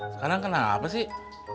sekarang kenapa sih